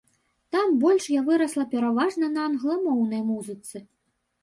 Тым больш я вырасла пераважна на англамоўнай музыцы.